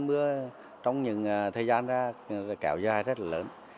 mưa trong những thời gian ra kéo dài rất là lớn